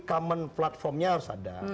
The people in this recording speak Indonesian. common platformnya harus ada